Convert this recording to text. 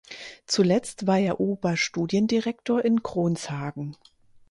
Zuletzt war er Oberstudiendirektor in Kronshagen.